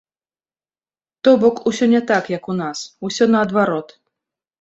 То бок усё не так, як у нас, усё наадварот.